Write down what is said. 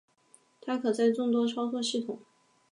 它可在众多操作系统。